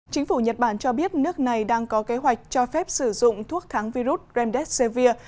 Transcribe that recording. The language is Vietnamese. chính phủ nhật bản cho biết nước này đang có kế hoạch cho phép sử dụng thuốc kháng virus remdes sevir